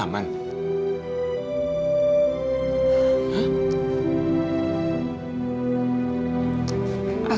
aku yang ngajak